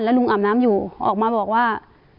แล้วลุงอำน้ำอยู่ออกมาบอกว่า